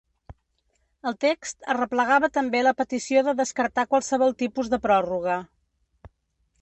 El text arreplegava també la petició de descartar qualsevol tipus de pròrroga.